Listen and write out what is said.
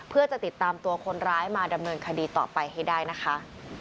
เพื่อจะติดตามตัวคนร้ายมาดำเนินคดีต่อไปให้ได้นะคะ